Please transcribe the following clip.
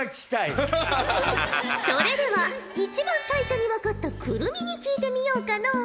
それでは一番最初に分かった来泉に聞いてみようかのう。